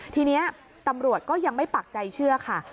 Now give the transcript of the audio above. ทีนี้ตำรวจก็ยังไม่ปักใจเชื่อค่ะ